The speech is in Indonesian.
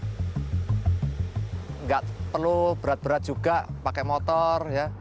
tidak perlu berat berat juga pakai motor